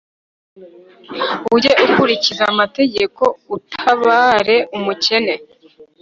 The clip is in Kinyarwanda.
ujye ukurikiza amategeko, utabare umukene